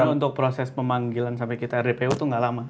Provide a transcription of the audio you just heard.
untuk proses pemanggilan sampai kita rdpu tuh gak lama